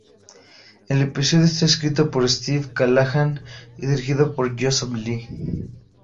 El episodio está escrito por Steve Callaghan y dirigido por Joseph Lee.